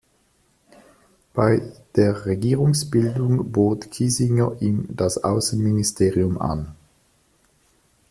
Bei der Regierungsbildung bot Kiesinger ihm das Außenministerium an.